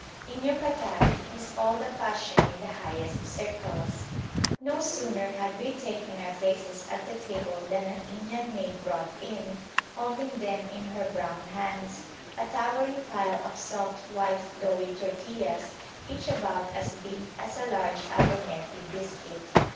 In Yucatan it is all the fashion in the highest circles. No sooner had we taken our places at the table than an Indian maid brought in, holding them in her brown hands, a towering pile of soft white doughy tortillas, each about as big as a large Abernethy biscuit.